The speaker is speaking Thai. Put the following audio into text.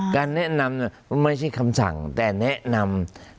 แนะนำไม่ใช่คำสั่งแต่แนะนำ